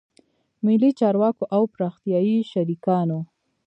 ملي چارواکو او پراختیایي شریکانو